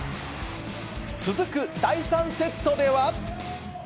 続く第３セットでは。